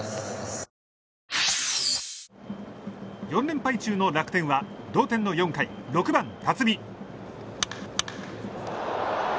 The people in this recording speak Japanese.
４連敗中の楽天は同点の４回６番、辰己。